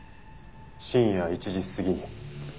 深夜１時過ぎに？